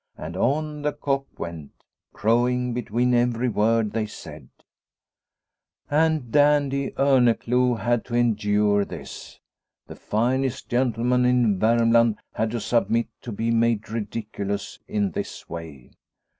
And on the cock went, crowing between every word they said ! And dandy Orneclou had to endure this. The finest gentleman in Varmland had to sub mit to be made ridiculous in this way.